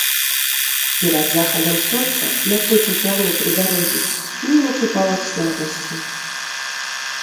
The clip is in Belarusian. Перад захадам сонца, на трэцім кіламетры дарогі, немец упаў ад слабасці.